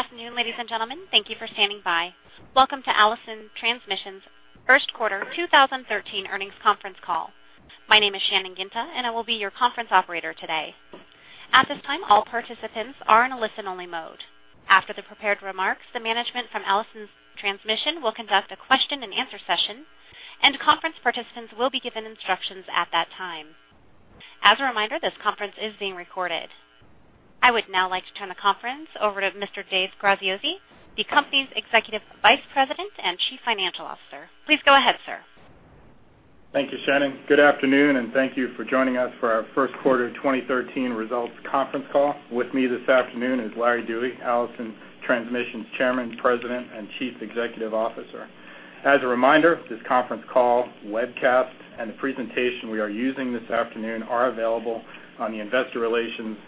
Good afternoon, ladies and gentlemen. Thank you for standing by. Welcome to Allison Transmission's First Quarter 2013 Earnings Conference Call. My name is Shannon Ginta, and I will be your conference operator today. At this time, all participants are in a listen-only mode. After the prepared remarks, the management from Allison Transmission will conduct a question-and-answer session, and conference participants will be given instructions at that time. As a reminder, this conference is being recorded. I would now like to turn the conference over to Mr. Dave Graziosi, the company's Executive Vice President and Chief Financial Officer. Please go ahead, sir. Thank you, Shannon. Good afternoon, and thank you for joining us for our first quarter of 2013 results conference call. With me this afternoon is Larry Dewey, Allison Transmission's Chairman, President, and Chief Executive Officer. As a reminder, this conference call, webcast, and the presentation we are using this afternoon are available on the Investor Relations section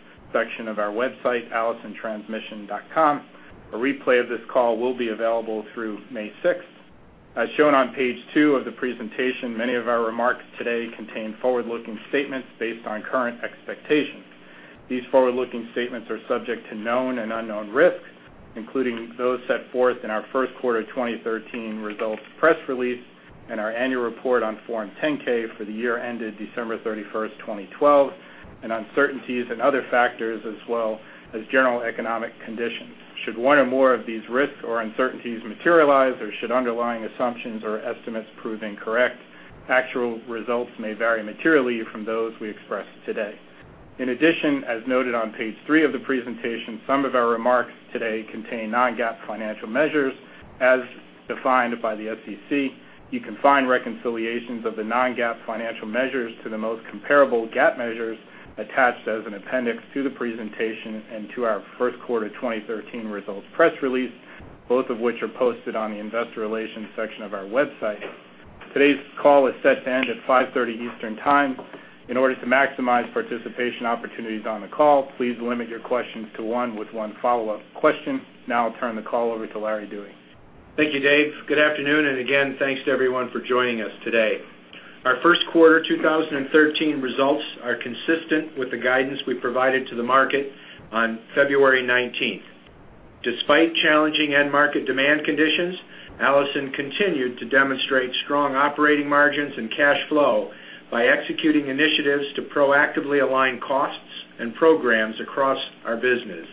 of our website, allisontransmission.com. A replay of this call will be available through May 6. As shown on page two of the presentation, many of our remarks today contain forward-looking statements based on current expectations. These forward-looking statements are subject to known and unknown risks, including those set forth in our first quarter of 2013 results press release and our Annual Report on Form 10-K for the year ended December 31st, 2012, and uncertainties and other factors, as well as general economic conditions. Should one or more of these risks or uncertainties materialize, or should underlying assumptions or estimates prove incorrect, actual results may vary materially from those we express today. In addition, as noted on page three of the presentation, some of our remarks today contain non-GAAP financial measures as defined by the SEC. You can find reconciliations of the non-GAAP financial measures to the most comparable GAAP measures attached as an appendix to the presentation and to our first quarter of 2013 results press release, both of which are posted on the Investor Relations section of our website. Today's call is set to end at 5:30 Eastern Time. In order to maximize participation opportunities on the call, please limit your questions to one with one follow-up question. Now I'll turn the call over to Larry Dewey. Thank you, Dave. Good afternoon, and again, thanks to everyone for joining us today. Our first quarter 2013 results are consistent with the guidance we provided to the market on February 19th. Despite challenging end market demand conditions, Allison continued to demonstrate strong operating margins and cash flow by executing initiatives to proactively align costs and programs across our business.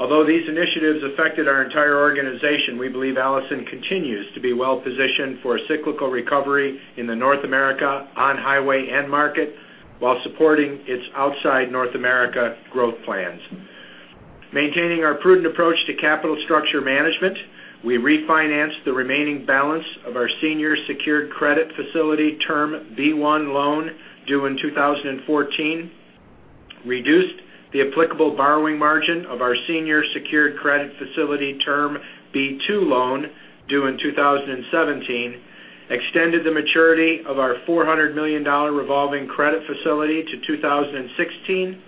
Although these initiatives affected our entire organization, we believe Allison continues to be well-positioned for a cyclical recovery in the North America on-highway end market while supporting its outside North America growth plans. Maintaining our prudent approach to capital structure management, we refinanced the remaining balance of our senior secured credit facility, Term B-1 loan, due in 2014, reduced the applicable borrowing margin of our senior secured credit facility, Term B-2 loan, due in 2017, extended the maturity of our $400 million revolving credit facility to 2016,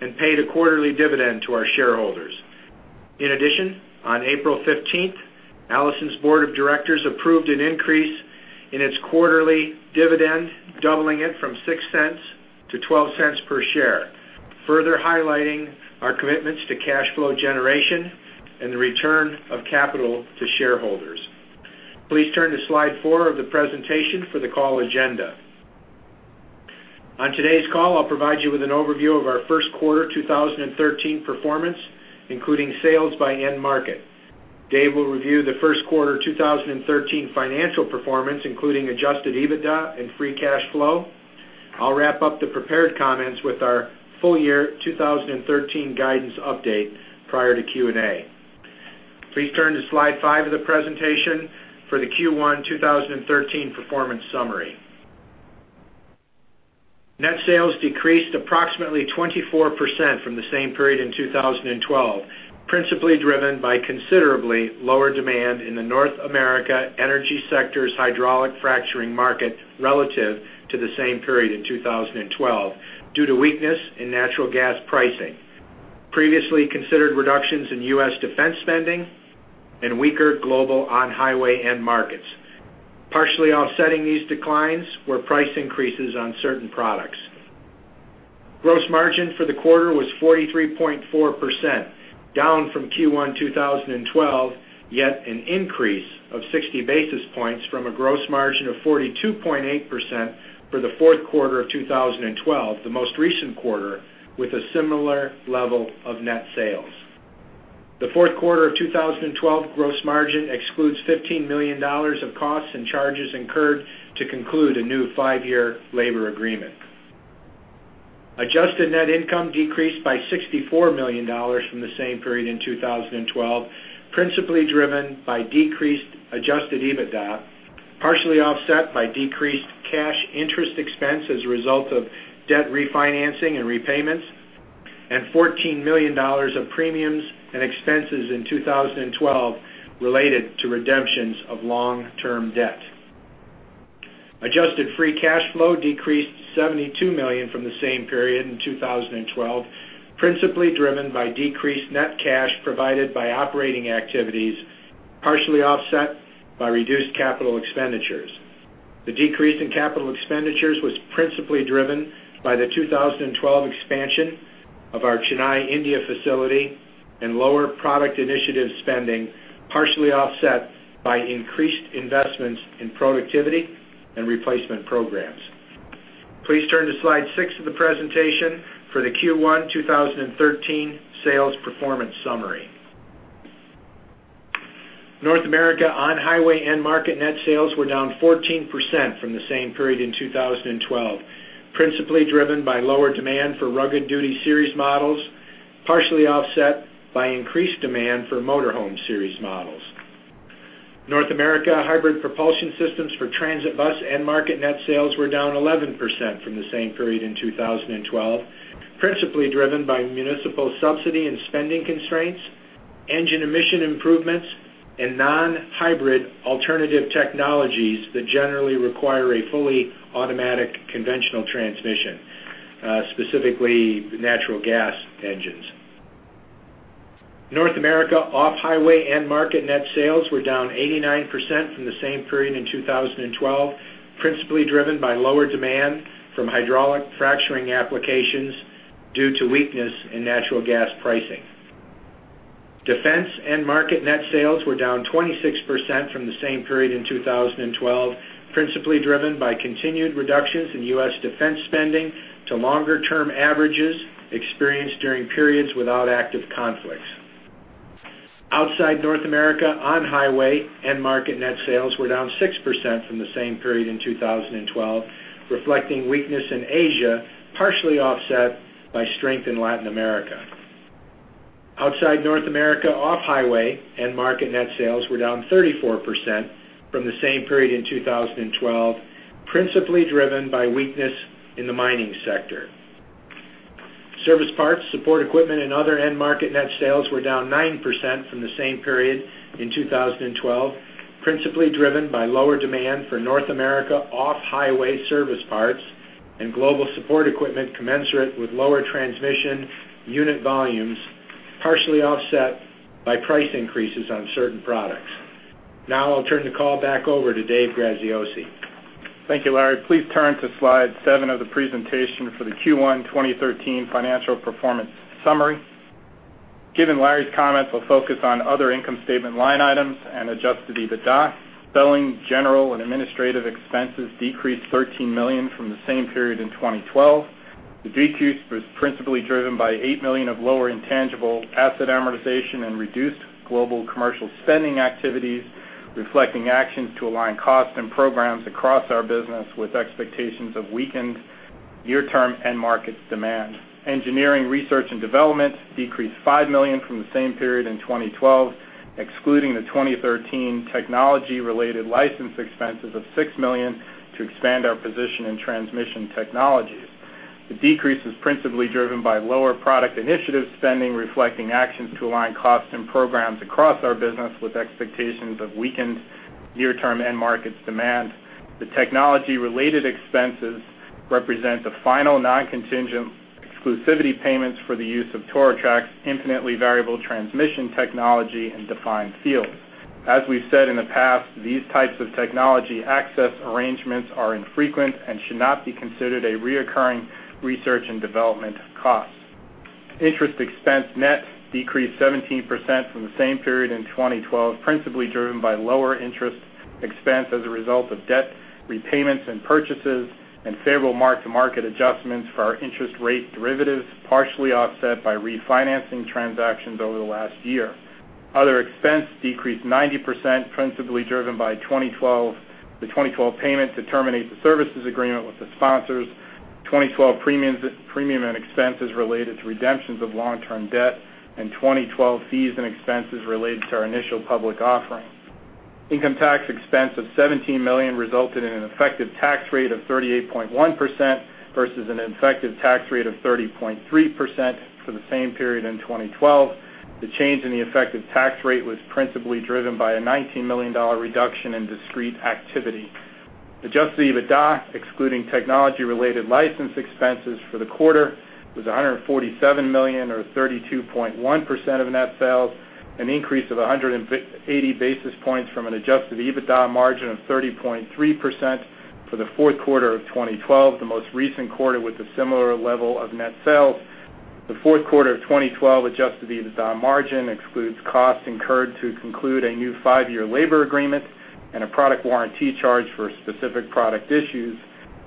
and paid a quarterly dividend to our shareholders. In addition, on April 15, Allison's Board of Directors approved an increase in its quarterly dividend, doubling it from $0.06 to $0.12 per share, further highlighting our commitments to cash flow generation and the return of capital to shareholders. Please turn to slide four of the presentation for the call agenda. On today's call, I'll provide you with an overview of our first quarter 2013 performance, including sales by end market. Dave will review the first quarter 2013 financial performance, including adjusted EBITDA and free cash flow. I'll wrap up the prepared comments with our full year 2013 guidance update prior to Q&A. Please turn to slide five of the presentation for the Q1 2013 performance summary. Net sales decreased approximately 24% from the same period in 2012, principally driven by considerably lower demand in the North America energy sector's hydraulic fracturing market relative to the same period in 2012 due to weakness in natural gas pricing, previously considered reductions in U.S. defense spending, and weaker global on-highway end markets. Partially offsetting these declines were price increases on certain products. Gross margin for the quarter was 43.4%, down from Q1 2012, yet an increase of 60 basis points from a gross margin of 42.8% for the fourth quarter of 2012, the most recent quarter, with a similar level of net sales. The fourth quarter of 2012 gross margin excludes $15 million of costs and charges incurred to conclude a new five-year labor agreement. Adjusted net income decreased by $64 million from the same period in 2012, principally driven by decreased adjusted EBITDA, partially offset by decreased cash interest expense as a result of debt refinancing and repayments, and $14 million of premiums and expenses in 2012 related to redemptions of long-term debt. Adjusted free cash flow decreased $72 million from the same period in 2012, principally driven by decreased net cash provided by operating activities, partially offset by reduced capital expenditures. The decrease in capital expenditures was principally driven by the 2012 expansion of our Chennai, India facility and lower product initiative spending, partially offset by increased investments in productivity and replacement programs. Please turn to slide six of the presentation for the Q1 2013 sales performance summary. North America on-highway end market net sales were down 14% from the same period in 2012, principally driven by lower demand for Rugged Duty Series models, partially offset by increased demand for Motorhome Series models. North America hybrid propulsion systems for transit bus end market net sales were down 11% from the same period in 2012, principally driven by municipal subsidy and spending constraints, engine emission improvements, and non-hybrid alternative technologies that generally require a fully automatic conventional transmission, specifically natural gas engines. North America off-highway end market net sales were down 89% from the same period in 2012, principally driven by lower demand from hydraulic fracturing applications due to weakness in natural gas pricing. Defense end market net sales were down 26% from the same period in 2012, principally driven by continued reductions in U.S. defense spending to longer term averages experienced during periods without active conflicts. Outside North America, on-highway end market net sales were down 6% from the same period in 2012, reflecting weakness in Asia, partially offset by strength in Latin America. Outside North America, off-highway end market net sales were down 34% from the same period in 2012, principally driven by weakness in the mining sector. Service parts, support equipment, and other end market net sales were down 9% from the same period in 2012, principally driven by lower demand for North America off-highway service parts and global support equipment commensurate with lower transmission unit volumes, partially offset by price increases on certain products. Now I'll turn the call back over to Dave Graziosi. Thank you, Larry. Please turn to slide seven of the presentation for the Q1 2013 financial performance summary. Given Larry's comments, we'll focus on other income statement line items and adjusted EBITDA. Selling, general, and administrative expenses decreased $13 million from the same period in 2012. The decrease was principally driven by $8 million of lower intangible asset amortization and reduced global commercial spending activities, reflecting actions to align costs and programs across our business with expectations of weakened near-term end markets demand. Engineering, research and development decreased $5 million from the same period in 2012, excluding the 2013 technology-related license expenses of $6 million to expand our position in transmission technologies. The decrease is principally driven by lower product initiative spending, reflecting actions to align costs and programs across our business with expectations of weakened near-term end markets demand. The technology-related expenses represent the final non-contingent exclusivity payments for the use of Torotrak's infinitely variable transmission technology in defined fields. As we've said in the past, these types of technology access arrangements are infrequent and should not be considered a reoccurring research and development cost. Interest expense net decreased 17% from the same period in 2012, principally driven by lower interest expense as a result of debt repayments and purchases, and favorable mark-to-market adjustments for our interest rate derivatives, partially offset by refinancing transactions over the last year. Other expense decreased 90%, principally driven by 2012—the 2012 payment to terminate the services agreement with the sponsors, 2012 premiums, premium and expenses related to redemptions of long-term debt, and 2012 fees and expenses related to our initial public offering. Income tax expense of $17 million resulted in an effective tax rate of 38.1% versus an effective tax rate of 30.3% for the same period in 2012. The change in the effective tax rate was principally driven by a $19 million reduction in discrete activity. Adjusted EBITDA, excluding technology-related license expenses for the quarter, was $147 million, or 32.1% of net sales, an increase of 180 basis points from an adjusted EBITDA margin of 30.3% for the fourth quarter of 2012, the most recent quarter with a similar level of net sales. The fourth quarter of 2012 adjusted EBITDA margin excludes costs incurred to conclude a new five-year labor agreement and a product warranty charge for specific product issues.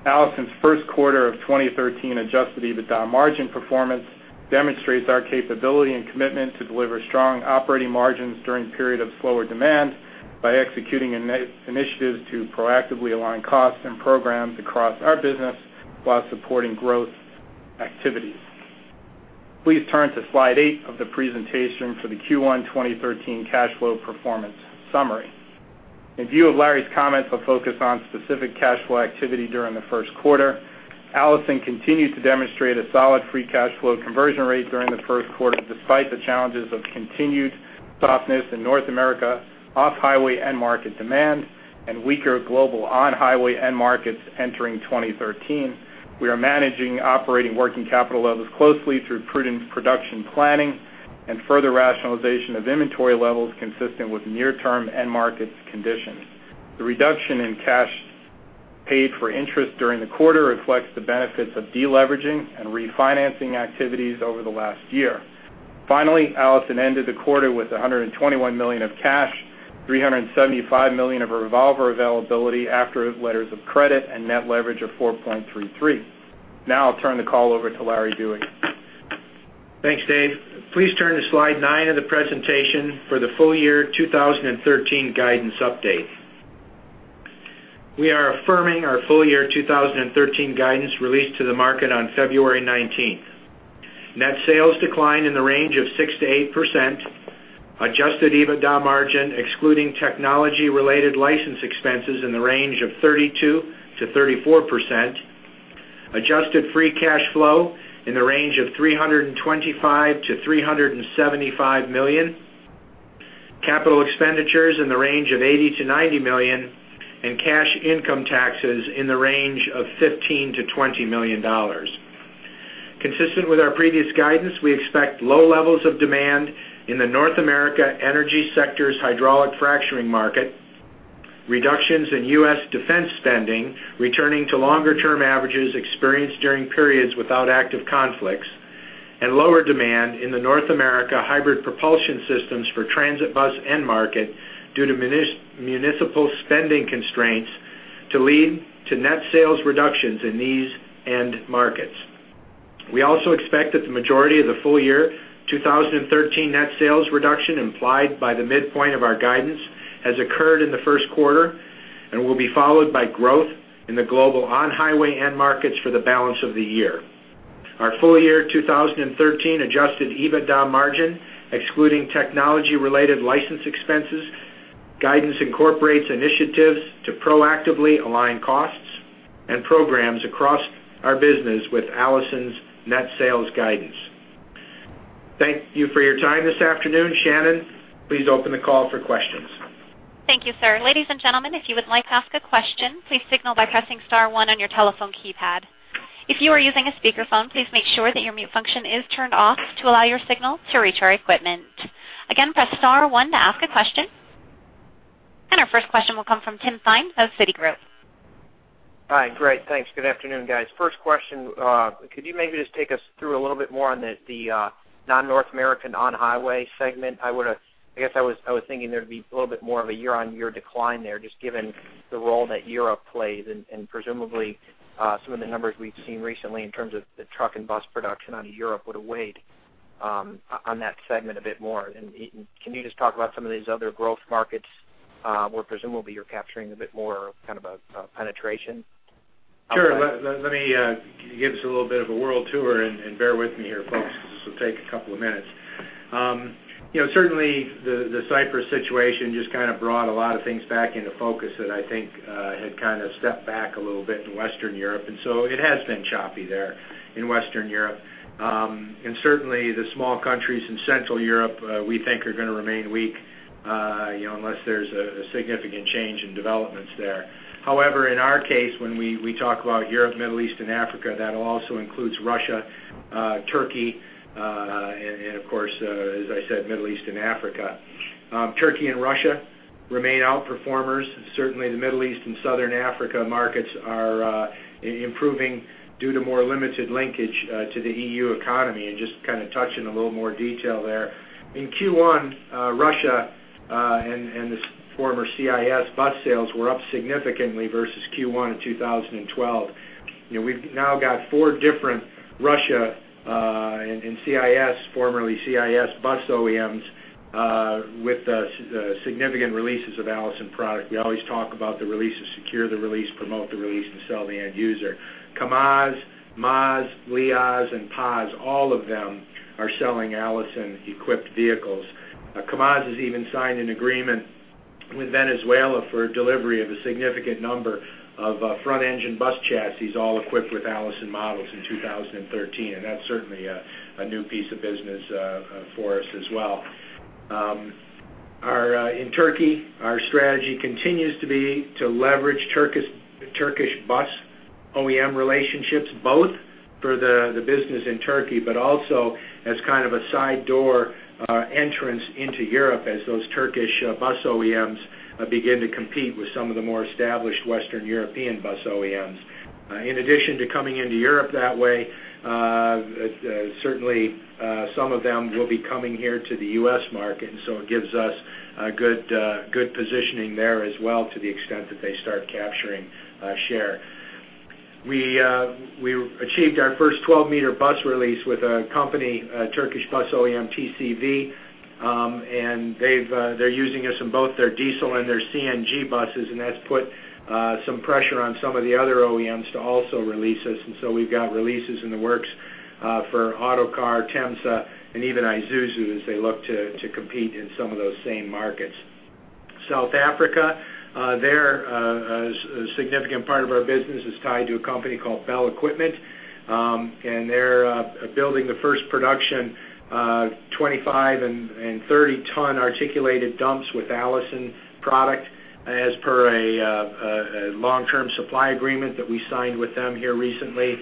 Allison's first quarter of 2013 adjusted EBITDA margin performance demonstrates our capability and commitment to deliver strong operating margins during period of slower demand by executing initiatives to proactively align costs and programs across our business while supporting growth activities. Please turn to slide eight of the presentation for the Q1 2013 cash flow performance summary. In view of Larry's comments, I'll focus on specific cash flow activity during the first quarter. Allison continued to demonstrate a solid free cash flow conversion rate during the first quarter, despite the challenges of continued softness in North America, off-highway end market demand, and weaker global on-highway end markets entering 2013. We are managing operating working capital levels closely through prudent production planning,... and further rationalization of inventory levels consistent with near-term end markets conditions. The reduction in cash paid for interest during the quarter reflects the benefits of deleveraging and refinancing activities over the last year. Finally, Allison ended the quarter with $121 million of cash, $375 million of revolver availability after letters of credit, and net leverage of 4.33. Now I'll turn the call over to Larry Dewey. Thanks, Dave. Please turn to slide nine of the presentation for the full year 2013 guidance update. We are affirming our full year 2013 guidance released to the market on February 19th. Net sales decline in the range of 6%-8%, adjusted EBITDA margin, excluding technology-related license expenses in the range of 32%-34%, adjusted free cash flow in the range of $325 million-$375 million, capital expenditures in the range of $80 million-$90 million, and cash income taxes in the range of $15 million-$20 million. Consistent with our previous guidance, we expect low levels of demand in the North America energy sector's hydraulic fracturing market, reductions in U.S. defense spending, returning to longer-term averages experienced during periods without active conflicts, and lower demand in the North America hybrid propulsion systems for transit bus end market due to municipal spending constraints to lead to net sales reductions in these end markets. We also expect that the majority of the full year 2013 net sales reduction implied by the midpoint of our guidance has occurred in the first quarter and will be followed by growth in the global on-highway end markets for the balance of the year. Our full year 2013 adjusted EBITDA margin, excluding technology-related license expenses, guidance incorporates initiatives to proactively align costs and programs across our business with Allison's net sales guidance. Thank you for your time this afternoon. Shannon, please open the call for questions. Thank you, sir. Ladies and gentlemen, if you would like to ask a question, please signal by pressing star one on your telephone keypad. If you are using a speakerphone, please make sure that your mute function is turned off to allow your signal to reach our equipment. Again, press star one to ask a question. Our first question will come from Tim Thein of Citigroup. Hi, great. Thanks. Good afternoon, guys. First question, could you maybe just take us through a little bit more on the non-North American on-highway segment? I would, I guess I was thinking there'd be a little bit more of a year-on-year decline there, just given the role that Europe plays, and presumably some of the numbers we've seen recently in terms of the truck and bus production out of Europe would weigh on that segment a bit more. Can you just talk about some of these other growth markets, where presumably you're capturing a bit more of kind of a penetration? Sure. Let me give us a little bit of a world tour, and bear with me here, folks, this will take a couple of minutes. You know, certainly the Cyprus situation just kind of brought a lot of things back into focus that I think had kind of stepped back a little bit in Western Europe, and so it has been choppy there in Western Europe. And certainly, the small countries in Central Europe, we think are gonna remain weak, you know, unless there's a significant change in developments there. However, in our case, when we talk about Europe, Middle East, and Africa, that also includes Russia, Turkey, and, of course, as I said, Middle East and Africa. Turkey and Russia remain outperformers. Certainly, the Middle East and Southern Africa markets are improving due to more limited linkage to the EU economy, and just kind of touch in a little more detail there. In Q1, Russia and the former CIS bus sales were up significantly versus Q1 in 2012. You know, we've now got four different Russia and CIS, formerly CIS, bus OEMs with the significant releases of Allison product. We always talk about the release, to secure the release, promote the release, and sell the end user. KAMAZ, MAZ, LiAZ and PAZ, all of them are selling Allison-equipped vehicles. KAMAZ has even signed an agreement with Venezuela for delivery of a significant number of front-engine bus chassis, all equipped with Allison models in 2013, and that's certainly a new piece of business for us as well. Our strategy in Turkey continues to be to leverage Turkish bus OEM relationships, both for the business in Turkey, but also as kind of a side door entrance into Europe as those Turkish bus OEMs begin to compete with some of the more established Western European bus OEMs. In addition to coming into Europe that way, certainly some of them will be coming here to the U.S. market, and so it gives us a good positioning there as well to the extent that they start capturing share. We achieved our first 12m bus release with a company, a Turkish bus OEM, TCV, and they've, they're using us in both their diesel and their CNG buses, and that's put some pressure on some of the other OEMs to also release us, and so we've got releases in the works for Otokar, Temsa, and even Isuzu as they look to compete in some of those same markets. South Africa, there, a significant part of our business is tied to a company called Bell Equipment. And they're building the first production 25- and 30-ton articulated dumps with Allison product as per a long-term supply agreement that we signed with them here recently.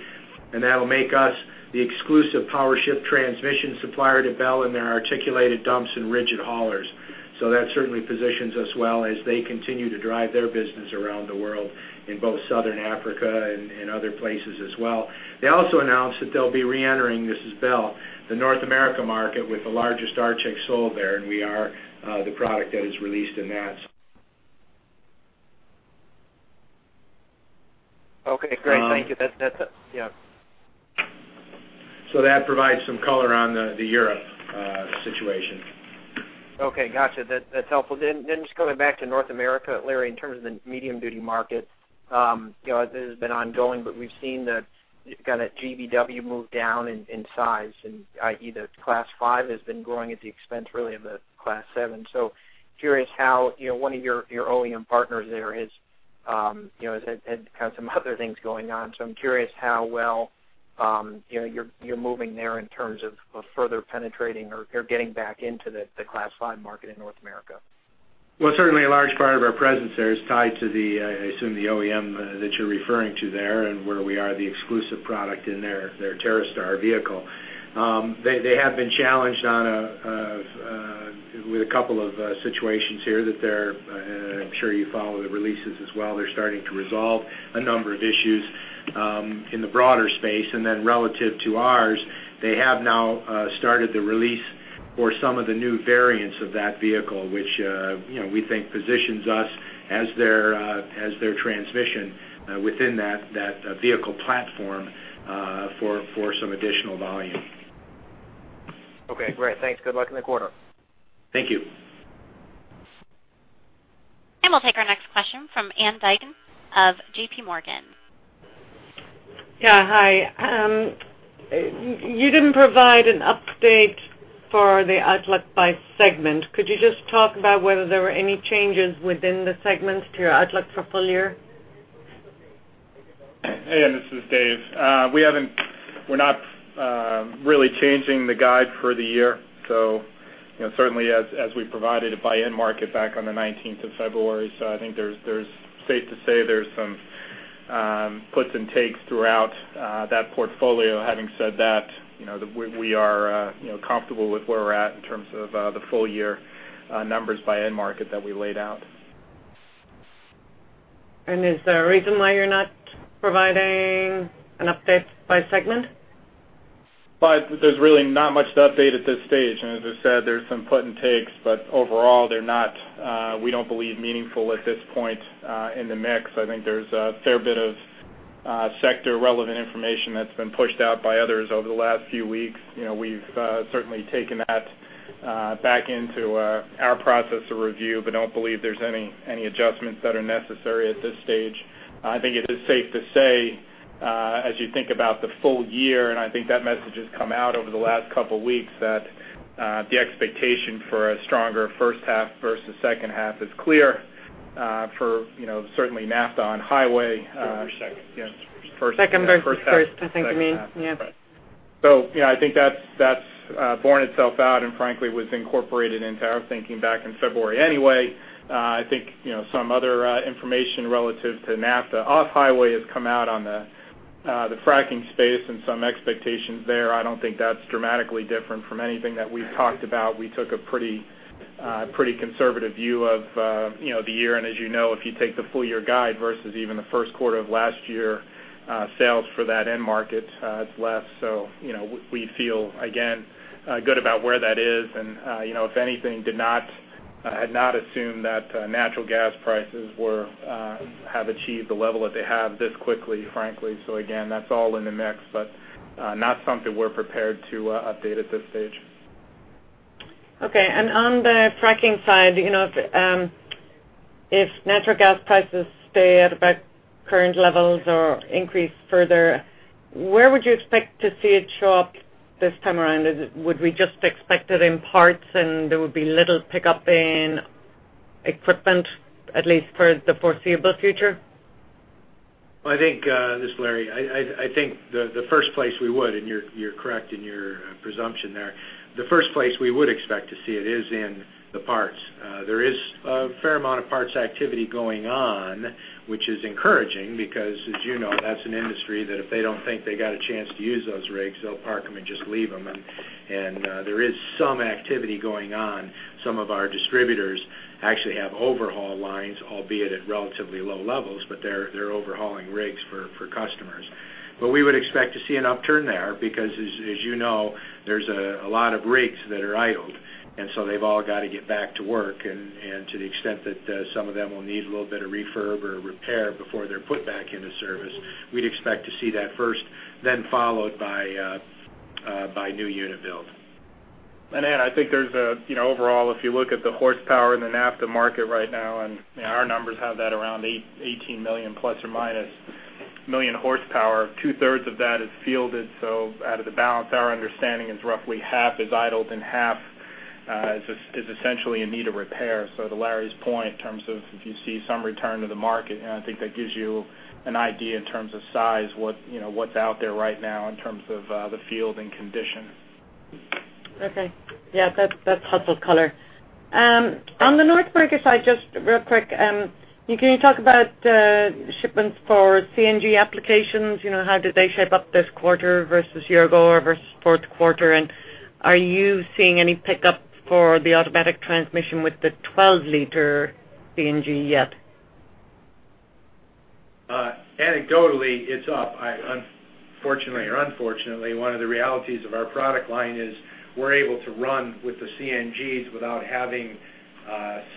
And that'll make us the exclusive powershift transmission supplier to Bell in their articulated dumps and rigid haulers. So that certainly positions us well as they continue to drive their business around the world in both Southern Africa and other places as well. They also announced that they'll be reentering, this is Bell, the North America market with the largest artic sold there, and we are the product that is released in that. Okay, great. Thank you. That, that's, yeah. So that provides some color on the Europe situation. Okay, gotcha. That's helpful. Then just going back to North America, Larry, in terms of the medium duty market, you know, this has been ongoing, but we've seen the kind of GVW move down in size, and, i.e., the Class Five has been growing at the expense really of the Class Seven. So curious how, you know, one of your OEM partners there has, you know, had some other things going on. So I'm curious how well, you know, you're moving there in terms of further penetrating or getting back into the Class Five market in North America. Well, certainly a large part of our presence there is tied to the, I assume, the OEM that you're referring to there, and where we are the exclusive product in their TerraStar vehicle. They have been challenged on a, with a couple of situations here that they're, I'm sure you follow the releases as well. They're starting to resolve a number of issues in the broader space. And then relative to ours, they have now started the release for some of the new variants of that vehicle, which, you know, we think positions us as their transmission within that vehicle platform for some additional volume. Okay, great. Thanks. Good luck in the quarter. Thank you. We'll take our next question from Ann Duignan of J.P. Morgan. Yeah, hi. You didn't provide an update for the outlook by segment. Could you just talk about whether there were any changes within the segments to your outlook for full year? Hey, Ann, this is Dave. We haven't, we're not really changing the guide for the year, so, you know, certainly as we provided it by end market back on the 19th of February. So I think it's safe to say there's some puts and takes throughout that portfolio. Having said that, you know, we are comfortable with where we're at in terms of the full year numbers by end market that we laid out. Is there a reason why you're not providing an update by segment? But there's really not much to update at this stage. And as I said, there's some put and takes, but overall, they're not, we don't believe, meaningful at this point, in the mix. I think there's a fair bit of, sector-relevant information that's been pushed out by others over the last few weeks. You know, we've certainly taken that back into our process of review, but don't believe there's any adjustments that are necessary at this stage. I think it is safe to say, as you think about the full year, and I think that message has come out over the last couple weeks, that, the expectation for a stronger first half versus second half is clear, for, you know, certainly NAFTA on highway. Second. First. Second versus first, I think you mean. Yeah. So yeah, I think that's borne itself out, and frankly, was incorporated into our thinking back in February anyway. I think, you know, some other information relative to NAFTA off-highway has come out on the fracking space and some expectations there. I don't think that's dramatically different from anything that we've talked about. We took a pretty, pretty conservative view of, you know, the year. And as you know, if you take the full year guide versus even the first quarter of last year, sales for that end market, it's less. So, you know, we feel again good about where that is, and, you know, if anything, did not, had not assumed that natural gas prices were, have achieved the level that they have this quickly, frankly. So again, that's all in the mix, but not something we're prepared to update at this stage. Okay. And on the fracking side, you know, if natural gas prices stay at about current levels or increase further, where would you expect to see it show up this time around? Would we just expect it in parts, and there would be little pickup in equipment, at least for the foreseeable future? Well, I think this is Larry. I think the first place we would, and you're correct in your presumption there. The first place we would expect to see it is in the parts. There is a fair amount of parts activity going on, which is encouraging, because as you know, that's an industry that if they don't think they got a chance to use those rigs, they'll park them and just leave them. And there is some activity going on. Some of our distributors actually have overhaul lines, albeit at relatively low levels, but they're overhauling rigs for customers. We would expect to see an upturn there because as you know, there's a lot of rigs that are idled, and so they've all got to get back to work, and to the extent that some of them will need a little bit of refurb or repair before they're put back into service, we'd expect to see that first, then followed by new unit build. And Ann, I think there's a... You know, overall, if you look at the horsepower in the NAFTA market right now, and our numbers have that around 18 million, ± million horsepower, two-thirds of that is fielded. So out of the balance, our understanding is roughly half is idled and half is essentially in need of repair. So to Larry's point, in terms of if you see some return to the market, and I think that gives you an idea in terms of size, what you know, what's out there right now in terms of the field and condition. Okay. Yeah, that's, that's helpful color. On the North American side, just real quick, can you talk about shipments for CNG applications? You know, how did they shape up this quarter versus year ago or versus fourth quarter? And are you seeing any pickup for the automatic transmission with the 12-liter CNG yet? Anecdotally, it's up. Unfortunately, one of the realities of our product line is we're able to run with the CNGs without having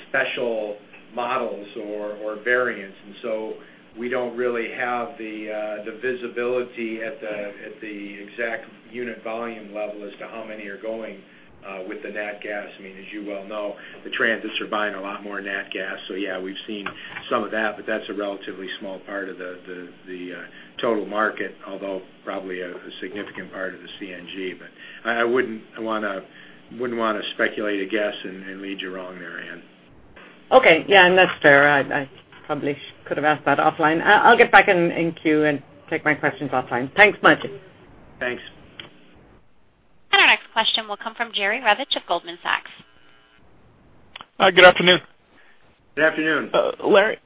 special models or variants. And so we don't really have the visibility at the exact unit volume level as to how many are going with the nat gas. I mean, as you well know, the transits are buying a lot more nat gas. So yeah, we've seen some of that, but that's a relatively small part of the total market, although probably a significant part of the CNG. But I wouldn't want to speculate a guess and lead you wrong there, Ann. Okay. Yeah, and that's fair. I probably could have asked that offline. I'll get back in queue and take my questions offline. Thanks much. Thanks. And our next question will come from Jerry Revich of Goldman Sachs. Hi, good afternoon. Good afternoon. Larry,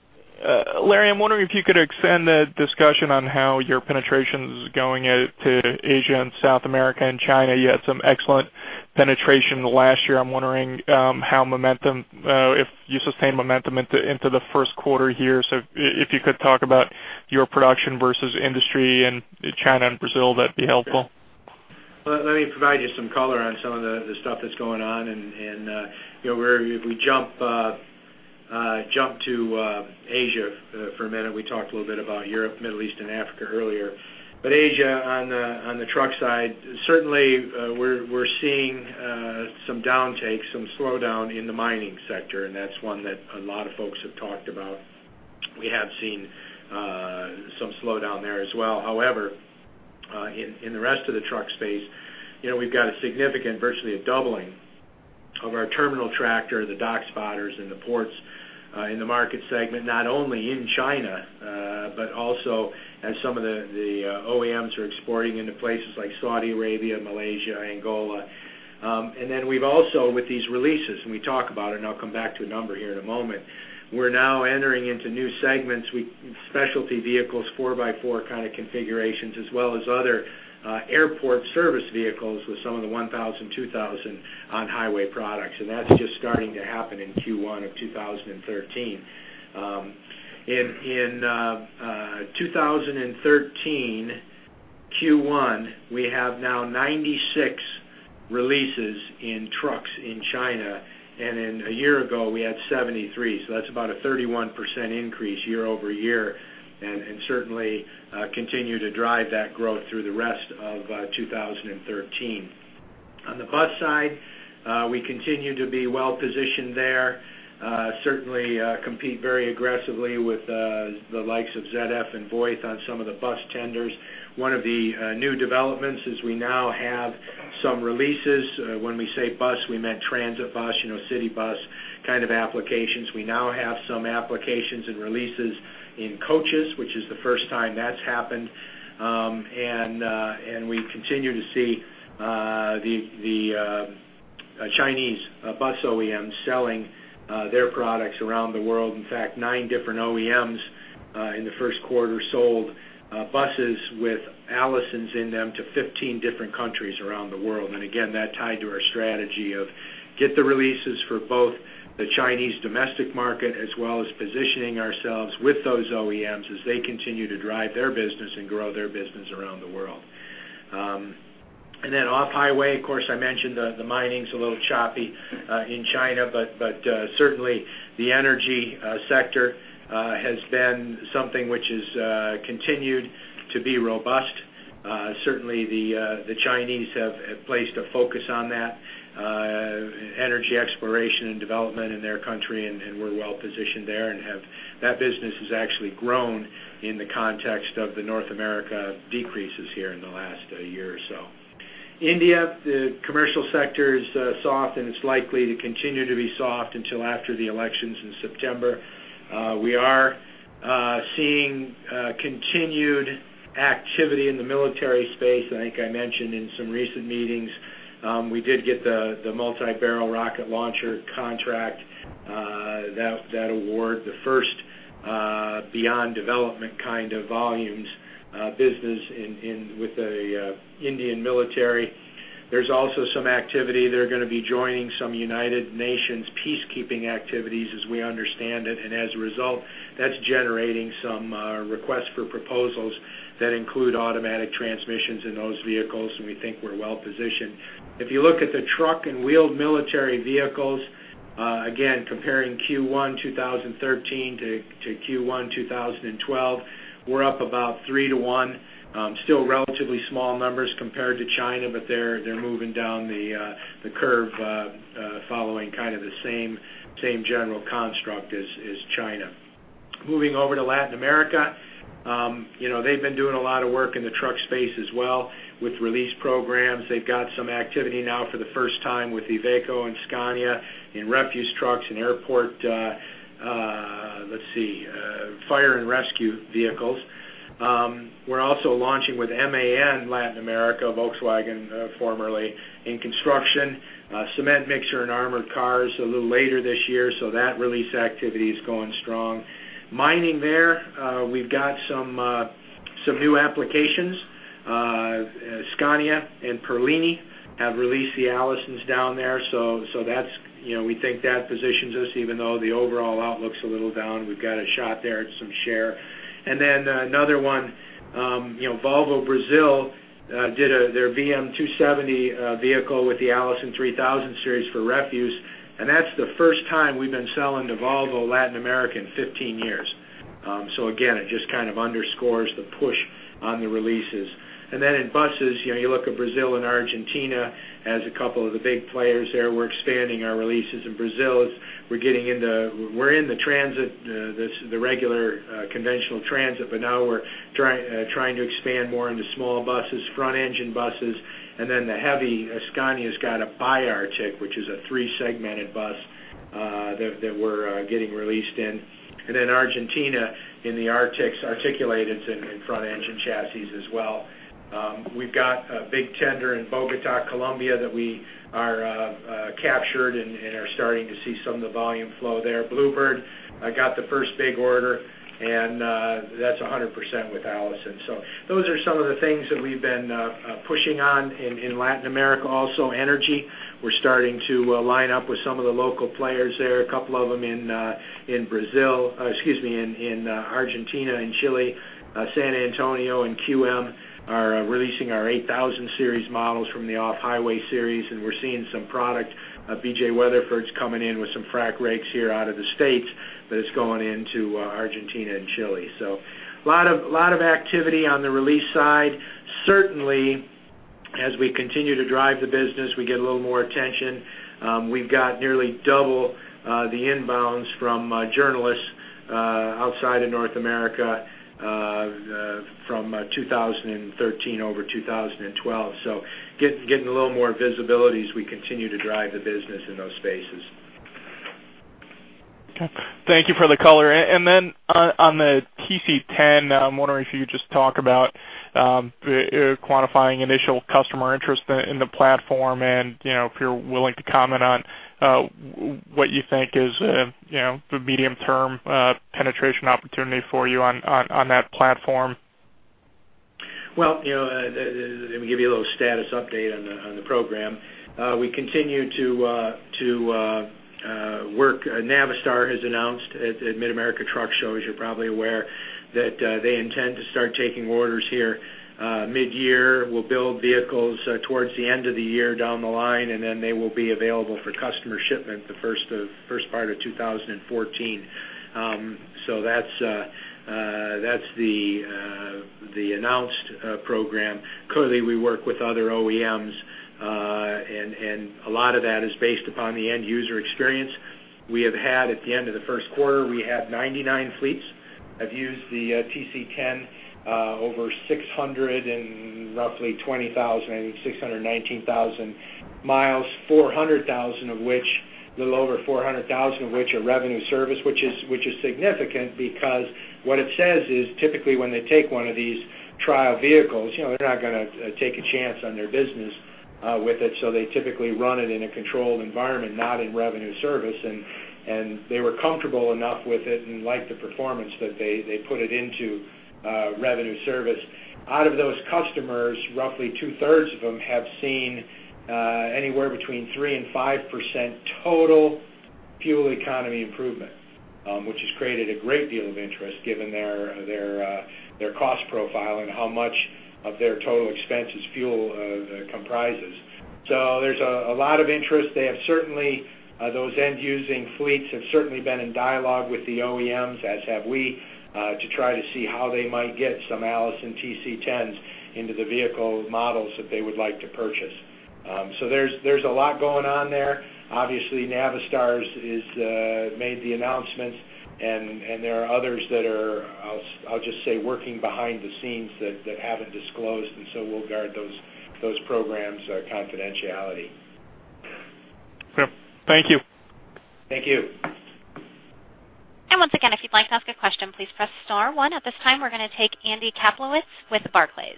Larry, I'm wondering if you could extend the discussion on how your penetration's going out to Asia and South America and China. You had some excellent penetration last year. I'm wondering how momentum, if you sustained momentum into the first quarter here. So if you could talk about your production versus industry in China and Brazil, that'd be helpful. Well, let me provide you some color on some of the stuff that's going on. You know, if we jump to Asia for a minute, we talked a little bit about Europe, Middle East, and Africa earlier. But Asia, on the truck side, certainly, we're seeing some downtakes, some slowdown in the mining sector, and that's one that a lot of folks have talked about. We have seen some slowdown there as well. However, in the rest of the truck space, you know, we've got a significant, virtually a doubling of our terminal tractor, the dock spotters in the ports, in the market segment, not only in China, but also as some of the OEMs are exporting into places like Saudi Arabia, Malaysia, Angola. And then we've also, with these releases, and we talk about it, and I'll come back to a number here in a moment, we're now entering into new segments with specialty vehicles, four-by-four kind of configurations, as well as other, airport service vehicles with some of the 1000, 2000 on-highway products, and that's just starting to happen in Q1 of 2013. In 2013, Q1, we have now 96 releases in trucks in China, and a year ago, we had 73. So that's about a 31% increase year-over-year, and certainly continue to drive that growth through the rest of 2013. On the bus side, we continue to be well positioned there, certainly compete very aggressively with the likes of ZF and Voith on some of the bus tenders. One of the new developments is we now have some releases. When we say bus, we meant transit bus, you know, city bus kind of applications. We now have some applications and releases in coaches, which is the first time that's happened. And we continue to see the Chinese bus OEMs selling their products around the world. In fact, nine different OEMs in the first quarter sold buses with Allisons in them to 15 different countries around the world. And again, that tied to our strategy of get the releases for both the Chinese domestic market, as well as positioning ourselves with those OEMs as they continue to drive their business and grow their business around the world. And then off-highway, of course, I mentioned the mining's a little choppy in China, but certainly, the energy sector has been something which has continued to be robust. Certainly, the Chinese have placed a focus on that energy exploration and development in their country, and we're well positioned there and have-- That business has actually grown in the context of the North America decreases here in the last year or so. India, the commercial sector is soft, and it's likely to continue to be soft until after the elections in September. We are seeing continued activity in the military space. I think I mentioned in some recent meetings, we did get the multi-barrel rocket launcher contract, that award, the first beyond development kind of volumes business in with the Indian military. There's also some activity. They're gonna be joining some United Nations peacekeeping activities, as we understand it. And as a result, that's generating some requests for proposals that include automatic transmissions in those vehicles, and we think we're well positioned. If you look at the truck and wheeled military vehicles, again, comparing Q1 2013 to Q1 2012, we're up about three to one. Still relatively small numbers compared to China, but they're moving down the curve, following kind of the same general construct as China.... Moving over to Latin America, you know, they've been doing a lot of work in the truck space as well with release programs. They've got some activity now for the first time with Iveco and Scania in refuse trucks and airport fire and rescue vehicles. We're also launching with MAN Latin America, Volkswagen formerly in construction, cement mixer and armored cars a little later this year, so that release activity is going strong. Mining there, we've got some new applications. Scania and Perlini have released the Allisons down there, so that's, you know, we think that positions us, even though the overall outlook's a little down, we've got a shot there at some share. And then, another one, you know, Volvo Brazil did their VM 270 vehicle with the Allison 3000 Series for refuse, and that's the first time we've been selling to Volvo Latin America in 15 years. So again, it just kind of underscores the push on the releases. And then in buses, you know, you look at Brazil and Argentina as a couple of the big players there. We're expanding our releases in Brazil as we're getting into the transit, the regular conventional transit, but now we're trying to expand more into small buses, front-engine buses, and then the heavy. Scania's got a bi-articulated, which is a three-segmented bus, that we're getting released in. And then Argentina, in the artics, articulated in front-engine chassis as well. We've got a big tender in Bogotá, Colombia, that we are captured and are starting to see some of the volume flow there. Blue Bird, I got the first big order, and that's 100% with Allison. So those are some of the things that we've been pushing on in Latin America. Also, energy, we're starting to line up with some of the local players there, a couple of them in Brazil, excuse me, in Argentina and Chile. San Antonio and QM are releasing our 8000 Series models from the off-highway series, and we're seeing some product. BJ, Weatherford's coming in with some frack rigs here out of the States, but it's going into Argentina and Chile. So a lot of activity on the release side. Certainly, as we continue to drive the business, we get a little more attention. We've got nearly double the inbounds from journalists outside of North America from 2013 over 2012. So getting a little more visibility as we continue to drive the business in those spaces. Okay. Thank you for the color. And then on the TC10, I'm wondering if you could just talk about the quantifying initial customer interest in the platform, and, you know, if you're willing to comment on what you think is, you know, the medium-term penetration opportunity for you on that platform? Well, you know, let me give you a little status update on the program. We continue to work. Navistar has announced at Mid-America Truck Show, as you're probably aware, that they intend to start taking orders here mid-year. We'll build vehicles towards the end of the year down the line, and then they will be available for customer shipment the first part of 2014. So that's the announced program. Clearly, we work with other OEMs, and a lot of that is based upon the end user experience. We have had, at the end of the first quarter, we had 99 fleets, have used the TC10 over 600 and roughly 20,000, 619,000 miles, 400,000 of which, a little over 400,000 of which are revenue service, which is significant because what it says is, typically, when they take one of these trial vehicles, you know, they're not gonna take a chance on their business with it, so they typically run it in a controlled environment, not in revenue service. They were comfortable enough with it and liked the performance that they put it into revenue service. Out of those customers, roughly two-thirds of them have seen anywhere between 3%-5% total fuel economy improvement, which has created a great deal of interest given their cost profile and how much of their total expenses fuel comprises. So there's a lot of interest. They have certainly, those end-using fleets have certainly been in dialogue with the OEMs, as have we, to try to see how they might get some Allison TC10s into the vehicle models that they would like to purchase. So there's a lot going on there. Obviously, Navistar is made the announcements, and there are others that are, I'll just say, working behind the scenes that haven't disclosed, and so we'll guard those programs' confidentiality. Okay. Thank you. Thank you. Once again, if you'd like to ask a question, please press star one. At this time, we're going to take Andy Kaplowitz with Barclays.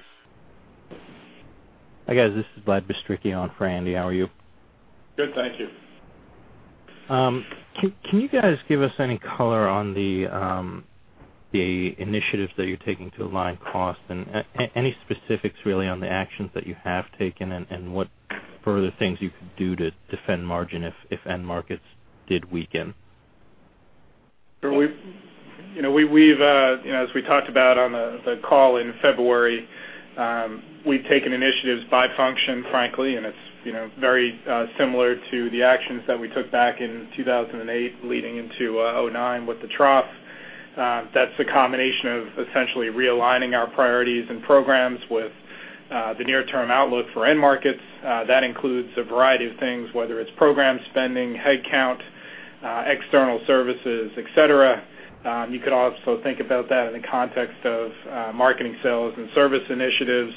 Hi, guys. This is Vlad Bystricky on for Andy. How are you? Good. Thank you. Can you guys give us any color on the initiatives that you're taking to align costs and any specifics really on the actions that you have taken and what further things you could do to defend margin if end markets did weaken? So we've, you know, as we talked about on the call in February, we've taken initiatives by function, frankly, and it's, you know, very similar to the actions that we took back in 2008, leading into 2009 with the trough. That's a combination of essentially realigning our priorities and programs with the near-term outlook for end markets, that includes a variety of things, whether it's program spending, headcount, external services, et cetera. You could also think about that in the context of marketing, sales, and service initiatives.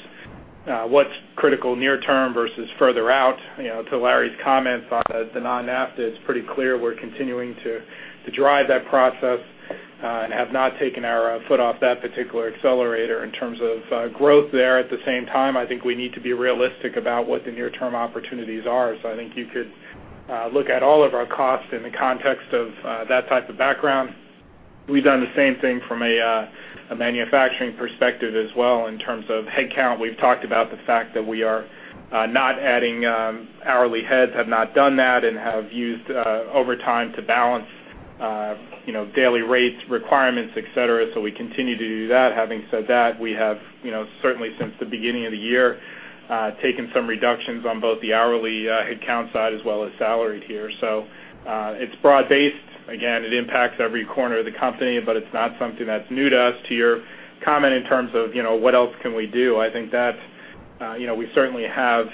What's critical near term versus further out, you know, to Larry's comments on the non-NAFTA, it's pretty clear we're continuing to drive that process, and have not taken our foot off that particular accelerator in terms of growth there. At the same time, I think we need to be realistic about what the near-term opportunities are. So I think you could look at all of our costs in the context of that type of background. We've done the same thing from a manufacturing perspective as well in terms of headcount. We've talked about the fact that we are not adding hourly heads, have not done that and have used over time to balance you know daily rates, requirements, et cetera. So we continue to do that. Having said that, we have you know certainly since the beginning of the year taken some reductions on both the hourly headcount side as well as salaried here. So it's broad-based. Again, it impacts every corner of the company, but it's not something that's new to us. To your comment, in terms of, you know, what else can we do? I think that's, you know, we certainly have,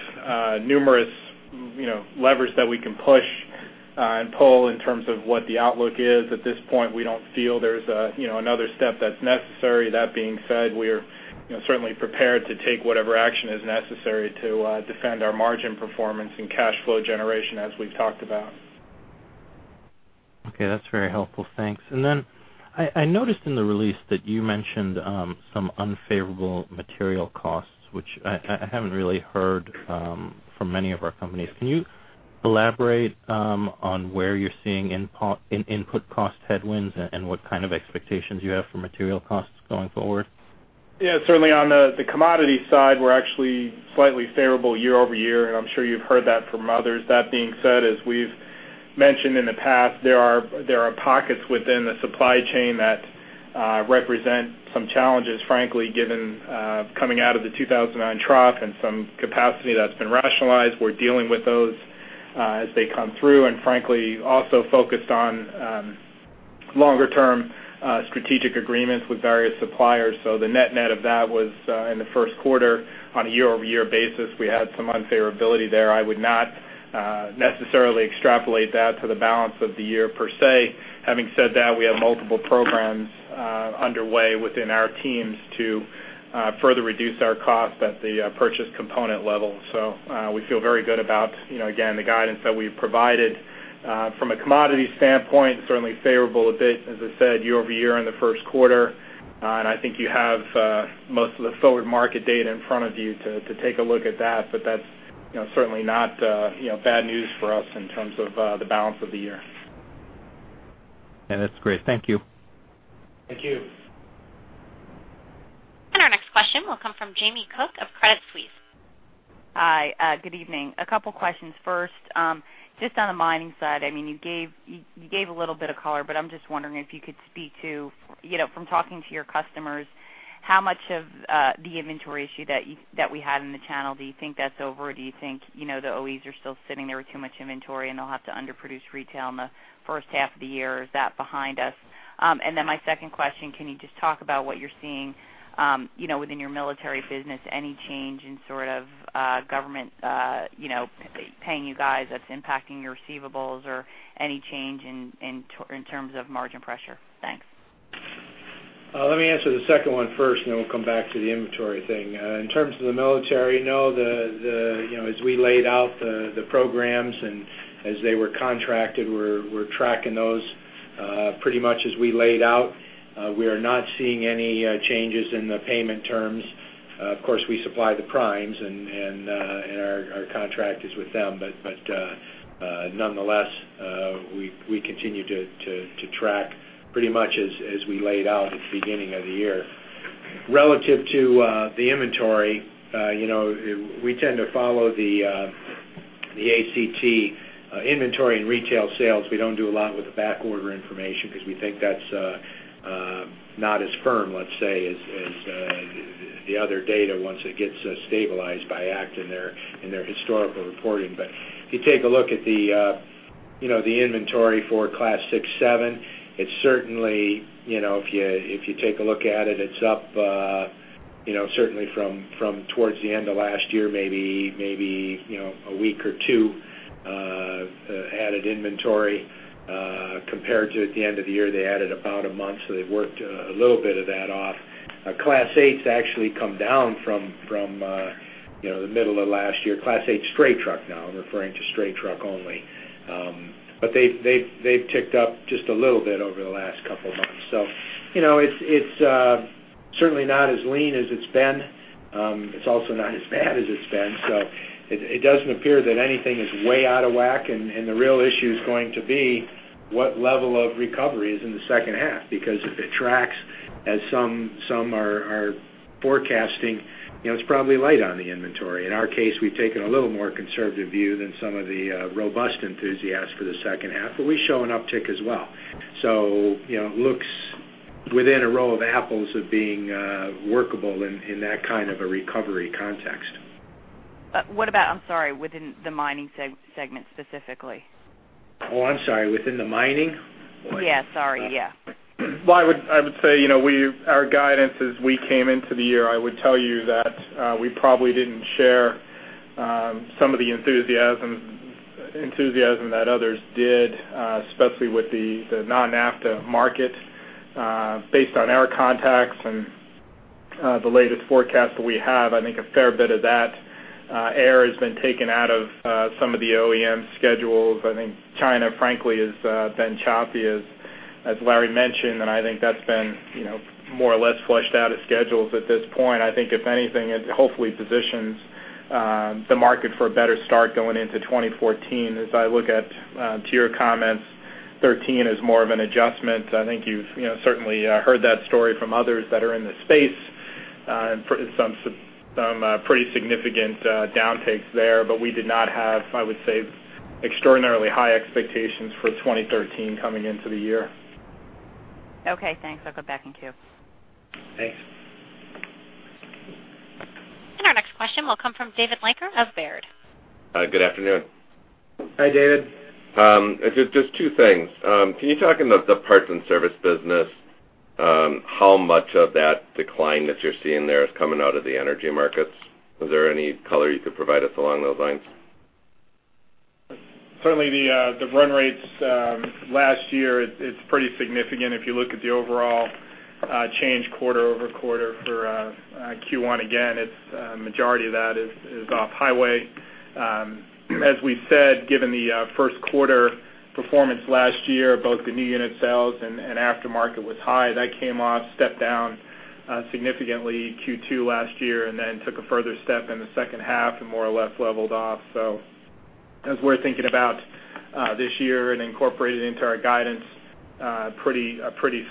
numerous, you know, levers that we can push, and pull in terms of what the outlook is. At this point, we don't feel there's a, you know, another step that's necessary. That being said, we are, you know, certainly prepared to take whatever action is necessary to, defend our margin performance and cash flow generation, as we've talked about. Okay, that's very helpful. Thanks. And then I noticed in the release that you mentioned some unfavorable material costs, which I haven't really heard from many of our companies. Can you elaborate on where you're seeing input cost headwinds and what kind of expectations you have for material costs going forward? Yeah, certainly on the commodity side, we're actually slightly favorable year-over-year, and I'm sure you've heard that from others. That being said, as we've mentioned in the past, there are pockets within the supply chain that represent some challenges, frankly, given coming out of the 2009 trough and some capacity that's been rationalized. We're dealing with those as they come through, and frankly, also focused on longer-term strategic agreements with various suppliers. So the net-net of that was in the first quarter, on a year-over-year basis, we had some unfavorability there. I would not necessarily extrapolate that to the balance of the year per se. Having said that, we have multiple programs underway within our teams to further reduce our cost at the purchase component level. So, we feel very good about, you know, again, the guidance that we've provided. From a commodity standpoint, certainly favorable a bit, as I said, year-over-year in the first quarter. And I think you have most of the forward market data in front of you to take a look at that, but that's, you know, certainly not, you know, bad news for us in terms of the balance of the year. That's great. Thank you. Thank you. Our next question will come from Jamie Cook of Credit Suisse. Hi, good evening. A couple questions. First, just on the mining side, I mean, you gave, you gave a little bit of color, but I'm just wondering if you could speak to, you know, from talking to your customers, how much of the inventory issue that you—that we had in the channel, do you think that's over, or do you think, you know, the OEs are still sitting there with too much inventory, and they'll have to underproduce retail in the first half of the year? Is that behind us? And then my second question, can you just talk about what you're seeing, you know, within your military business, any change in sort of government, you know, paying you guys that's impacting your receivables or any change in terms of margin pressure? Thanks. Let me answer the second one first, and then we'll come back to the inventory thing. In terms of the military, no, you know, as we laid out the programs and as they were contracted, we're tracking those pretty much as we laid out. We are not seeing any changes in the payment terms. Of course, we supply the primes and our contract is with them. But nonetheless, we continue to track pretty much as we laid out at the beginning of the year. Relative to the inventory, you know, we tend to follow the ACT inventory and retail sales. We don't do a lot with the backorder information because we think that's not as firm, let's say, as the other data once it gets stabilized by ACT in their historical reporting. But if you take a look at the, you know, the inventory for Class Six, Seven, it's certainly, you know, if you, if you take a look at it, it's up, you know, certainly from towards the end of last year, maybe, maybe, you know, a week or two added inventory compared to at the end of the year, they added about a month, so they've worked a little bit of that off. Our class eight actually come down from the middle of last year. Class Eight straight truck now, referring to straight truck only. But they've ticked up just a little bit over the last couple of months. So you know, it's certainly not as lean as it's been. It's also not as bad as it's been, so it doesn't appear that anything is way out of whack. And the real issue is going to be what level of recovery is in the second half, because if it tracks as some are forecasting, you know, it's probably light on the inventory. In our case, we've taken a little more conservative view than some of the robust enthusiasts for the second half, but we show an uptick as well. So you know, it looks within a row of apples of being workable in that kind of a recovery context.... What about, I'm sorry, within the mining segment specifically? Oh, I'm sorry, within the mining? Yeah, sorry. Yeah. Well, I would, I would say, you know, we— our guidance as we came into the year, I would tell you that we probably didn't share some of the enthusiasm that others did, especially with the non-NAFTA market. Based on our contacts and the latest forecast that we have, I think a fair bit of that air has been taken out of some of the OEM schedules. I think China, frankly, has been choppy, as Larry mentioned, and I think that's been, you know, more or less flushed out of schedules at this point. I think, if anything, it hopefully positions the market for a better start going into 2014. As I look at to your comments, 13 is more of an adjustment. I think you've, you know, certainly heard that story from others that are in the space, and some pretty significant downtakes there. But we did not have, I would say, extraordinarily high expectations for 2013 coming into the year. Okay, thanks. I'll go back in queue. Thanks. Our next question will come from David Leiker of Baird. Hi, good afternoon. Hi, David. Just, just two things. Can you talk in the, the parts and service business, how much of that decline that you're seeing there is coming out of the energy markets? Is there any color you could provide us along those lines? Certainly, the run rates last year is pretty significant. If you look at the overall change quarter-over-quarter for Q1, again, it's majority of that is off highway. As we said, given the first quarter performance last year, both the new unit sales and aftermarket was high. That came off, stepped down significantly Q2 last year, and then took a further step in the second half and more or less leveled off. So as we're thinking about this year and incorporating into our guidance, a pretty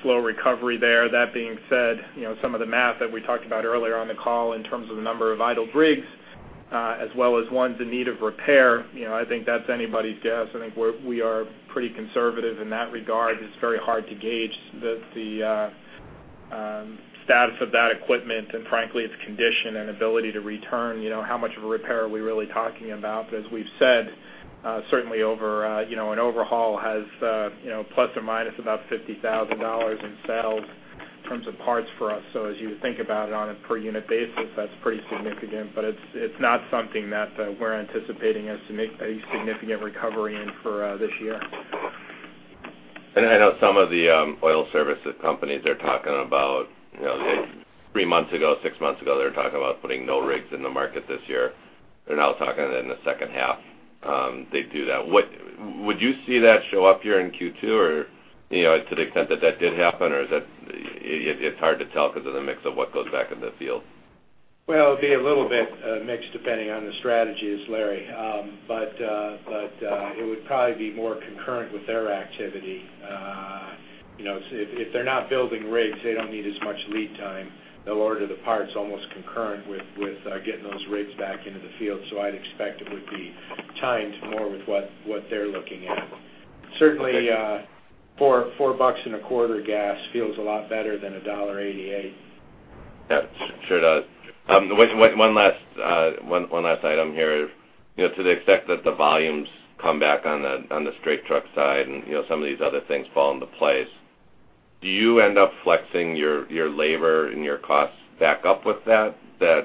slow recovery there. That being said, you know, some of the math that we talked about earlier on the call in terms of the number of idle rigs, as well as ones in need of repair, you know, I think that's anybody's guess. I think we are pretty conservative in that regard. It's very hard to gauge the status of that equipment and frankly, its condition and ability to return. You know, how much of a repair are we really talking about? But as we've said, certainly over, you know, an overhaul has, you know, plus or minus about $50,000 in sales in terms of parts for us. So as you think about it on a per unit basis, that's pretty significant, but it's, it's not something that, we're anticipating as to make a significant recovery in for, this year. I know some of the oil services companies are talking about, you know, three months ago, six months ago, they were talking about putting no rigs in the market this year. They're now talking in the second half, they'd do that. What would you see that show up here in Q2, or, you know, to the extent that that did happen, or is that it, it's hard to tell because of the mix of what goes back in the field? Well, it'd be a little bit mixed, depending on the strategy is Larry. But it would probably be more concurrent with their activity. You know, so if they're not building rigs, they don't need as much lead time. They'll order the parts almost concurrent with getting those rigs back into the field. So I'd expect it would be timed more with what they're looking at. Certainly $4.25 gas feels a lot better than $1.88. Yeah, sure does. One last item here. You know, to the extent that the volumes come back on the straight truck side and, you know, some of these other things fall into place, do you end up flexing your labor and your costs back up with that, the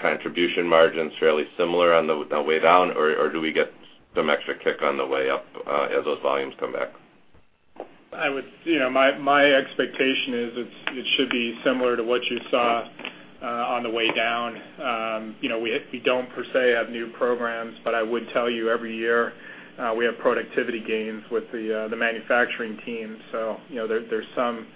contribution margin's fairly similar on the way down, or do we get some extra kick on the way up as those volumes come back? I would... You know, my, my expectation is it's, it should be similar to what you saw, on the way down. You know, we, we don't per se have new programs, but I would tell you every year, we have productivity gains with the, the manufacturing team. So, you know, there's, there's some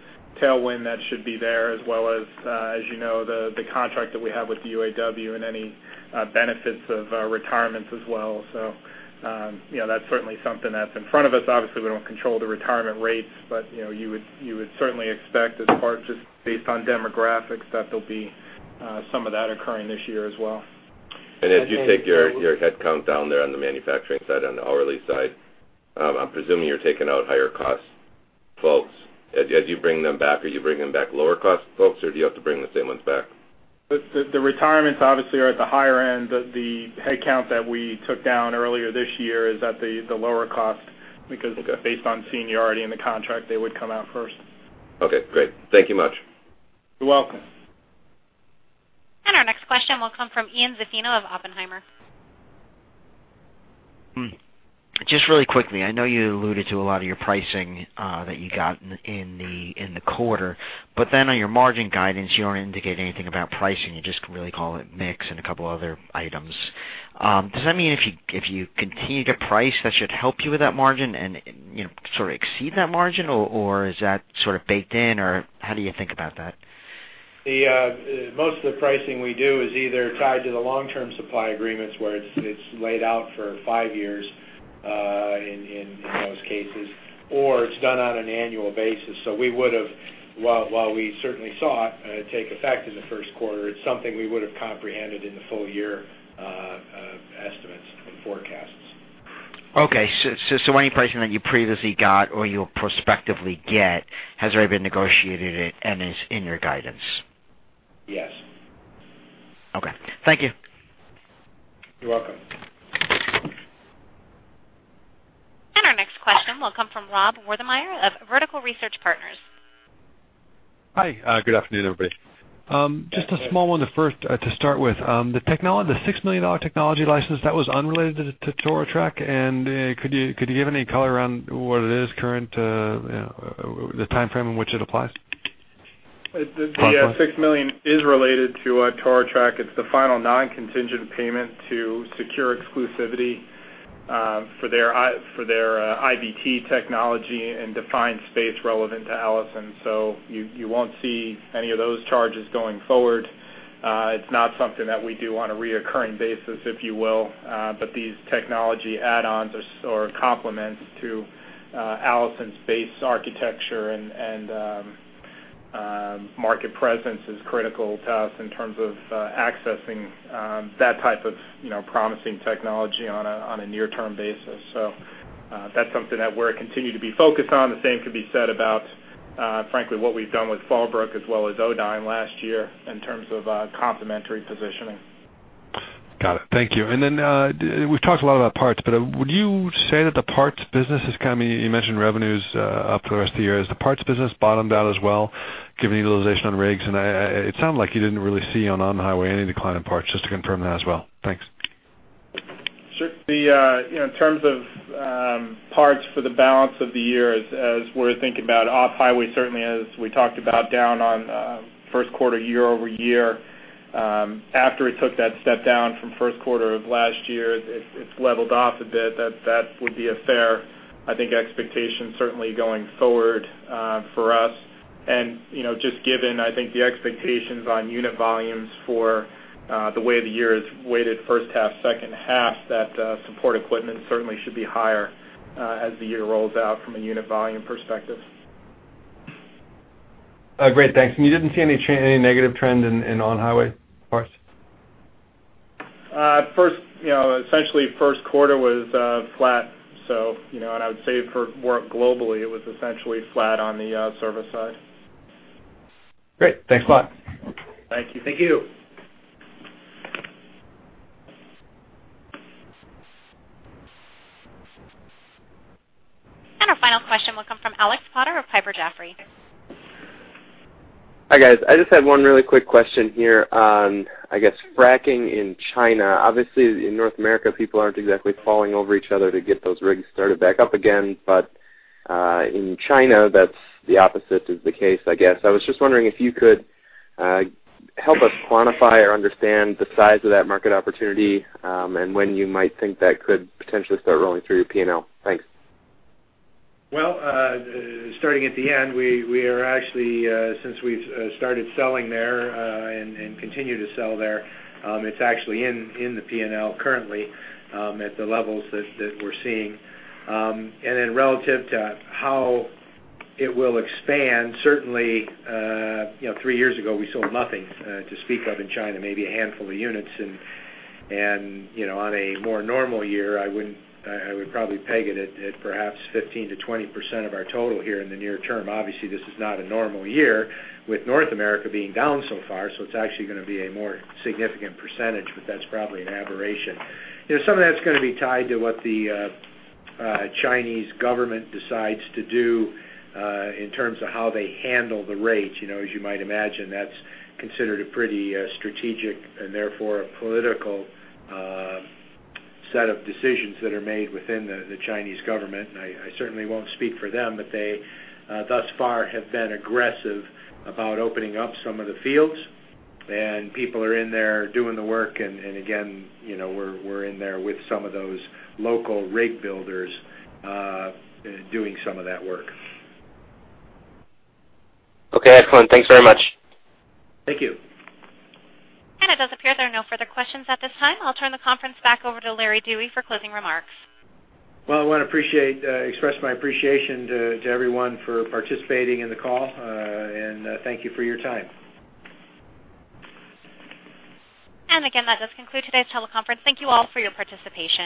tailwind that should be there, as well as, as you know, the, the contract that we have with the UAW and any, benefits of, retirements as well. So, you know, that's certainly something that's in front of us. Obviously, we don't control the retirement rates, but, you know, you would, you would certainly expect as part, just based on demographics, that there'll be, some of that occurring this year as well. As you take your headcount down there on the manufacturing side, on the hourly side, I'm presuming you're taking out higher cost folks. As you bring them back, are you bringing back lower cost folks, or do you have to bring the same ones back? The retirements obviously are at the higher end. The headcount that we took down earlier this year is at the lower cost because- Okay. Based on seniority in the contract, they would come out first. Okay, great. Thank you much. You're welcome. Our next question will come from Ian Zaffino of Oppenheimer. Hmm. Just really quickly, I know you alluded to a lot of your pricing that you got in the quarter, but then on your margin guidance, you don't indicate anything about pricing. You just really call it mix and a couple other items. Does that mean if you continue to price, that should help you with that margin and, you know, sort of exceed that margin, or is that sort of baked in, or how do you think about that? Most of the pricing we do is either tied to the long-term supply agreements, where it's laid out for five years, in those cases, or it's done on an annual basis. So we would have, while we certainly saw it take effect in the first quarter, it's something we would have comprehended in the full year estimates and forecasts.... Okay, so, so any pricing that you previously got or you'll prospectively get has already been negotiated and is in your guidance? Yes. Okay. Thank you. You're welcome. Our next question will come from Rob Wertheimer of Vertical Research Partners. Hi, good afternoon, everybody. Just a small one to first, to start with. The $6 million technology license, that was unrelated to Torotrak. Could you give any color around what it is current, you know, the timeframe in which it applies? The six million is related to Torotrak. It's the final non-contingent payment to secure exclusivity for their IVT technology and defined space relevant to Allison. So you won't see any of those charges going forward. It's not something that we do on a recurring basis, if you will. But these technology add-ons or complements to Allison's base architecture and market presence is critical to us in terms of accessing that type of, you know, promising technology on a near-term basis. So that's something that we're continuing to be focused on. The same can be said about, frankly, what we've done with Fallbrook as well as Odyne last year in terms of complementary positioning. Got it. Thank you. And then, we've talked a lot about parts, but would you say that the parts business is kind of... You mentioned revenues, up for the rest of the year. Has the parts business bottomed out as well, given the utilization on rigs? And I, it sounded like you didn't really see on-highway any decline in parts, just to confirm that as well. Thanks. Sure. You know, in terms of parts for the balance of the year, as as we're thinking about off-highway, certainly as we talked about, down on first quarter, year-over-year, after we took that step down from first quarter of last year, it's it's leveled off a bit. That that would be a fair, I think, expectation, certainly going forward, for us. You know, just given, I think, the expectations on unit volumes for the way the year is weighted, first half, second half, that support equipment certainly should be higher, as the year rolls out from a unit volume perspective. Great. Thanks. And you didn't see any negative trend in on-highway parts? First, you know, essentially first quarter was flat. So, you know, and I would say for more globally, it was essentially flat on the service side. Great. Thanks a lot. Thank you. Thank you. Our final question will come from Alex Potter of Piper Jaffray. Hi, guys. I just had one really quick question here on, I guess, fracking in China. Obviously, in North America, people aren't exactly falling over each other to get those rigs started back up again. But in China, that's the opposite of the case, I guess. I was just wondering if you could help us quantify or understand the size of that market opportunity, and when you might think that could potentially start rolling through your P&L. Thanks. Well, starting at the end, we are actually, since we've started selling there, and continue to sell there, it's actually in the P&L currently, at the levels that we're seeing. And then relative to how it will expand, certainly, you know, three years ago, we sold nothing to speak of in China, maybe a handful of units. And you know, on a more normal year, I wouldn't—I would probably peg it at perhaps 15%-20% of our total here in the near term. Obviously, this is not a normal year, with North America being down so far, so it's actually gonna be a more significant percentage, but that's probably an aberration. You know, some of that's gonna be tied to what the Chinese government decides to do in terms of how they handle the rates. You know, as you might imagine, that's considered a pretty strategic and therefore a political set of decisions that are made within the Chinese government. I certainly won't speak for them, but they thus far have been aggressive about opening up some of the fields, and people are in there doing the work. And again, you know, we're in there with some of those local rig builders doing some of that work. Okay, excellent. Thanks very much. Thank you. It does appear there are no further questions at this time. I'll turn the conference back over to Larry Dewey for closing remarks. Well, I want to appreciate, express my appreciation to, to everyone for participating in the call, and thank you for your time. And again, that does conclude today's teleconference. Thank you all for your participation.